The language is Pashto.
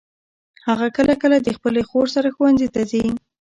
هغه کله کله د خپلي خور سره ښوونځي ته ځي.